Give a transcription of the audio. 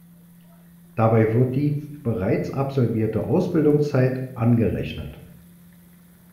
Dabei wird die bereits absolvierte Ausbildungszeit angerechnet.